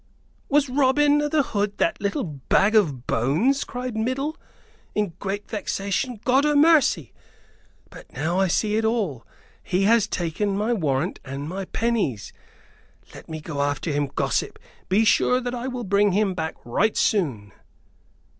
"Was Robin o' th' Hood that little bag of bones?" cried Middle, in great vexation. "God a mercy, but now I see it all. He has taken my warrant and my pennies! Let me go after him, gossip; be sure that I will bring him back right soon."